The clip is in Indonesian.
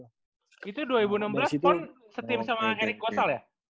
itu dua ribu enam belas pon setim sama erick gosal ya